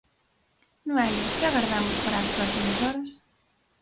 Noelia, que agardamos para as próximas horas?